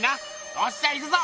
おっしゃいくぞ！